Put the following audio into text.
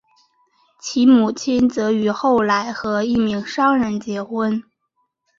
其母亲则于后来和一名商人结婚。